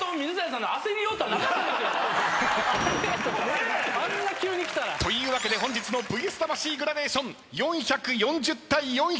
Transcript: ねえ？というわけで本日の『ＶＳ魂』グラデーション４４０対４２０。